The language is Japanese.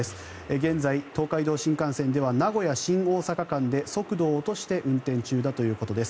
現在、東海道新幹線では名古屋新大阪間で速度を落として運転中だということです。